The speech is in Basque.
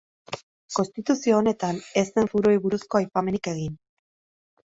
Konstituzio honetan, ez zen foruei buruzko aipamenik egin.